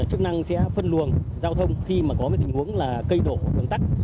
chức năng sẽ phân luồng giao thông khi mà có cái tình huống là cây đổ hướng tắc